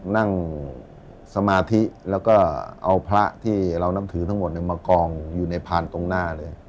นั่งสมาธิแล้วก็เอาพระที่เรานับถือทั้งหมดมากองอยู่ในพานตรงหน้าเลย